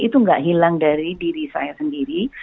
itu tidak hilang dari diri saya sendiri